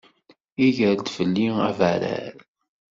Iger-d fell-i abarrar.